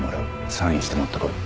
サインして持ってこい。